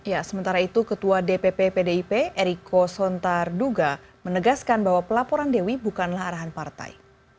ya sementara itu ketua dpp pdip eriko sontarduga menegaskan bahwa pelaporan dewi bukanlah arahan partai